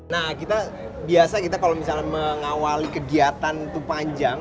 nah kita biasa kita kalau misalnya mengawali kegiatan itu panjang